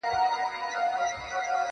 محتسب ډېوې وژلي د رڼا غلیم راغلی -